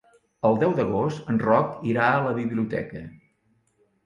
El deu d'agost en Roc irà a la biblioteca.